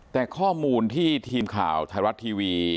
แต่ข้อมูลที่ทีมข่าวไทยรัฐทีวี